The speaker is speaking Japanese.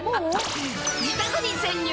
自宅に潜入！